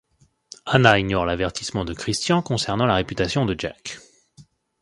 Ana ignore l'avertissement de Christian concernant la réputation de Jack.